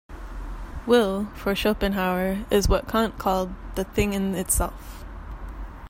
Will, for Schopenhauer, is what Kant called the "thing-in-itself".